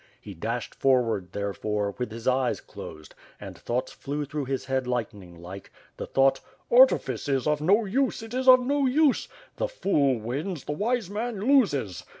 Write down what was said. He dashed forward, therefore, with his eyes closed, and thoughts flew through his head lightning like, the thought, "ariifice is of no use, it is of no use! The fool wins, the wise man loses!"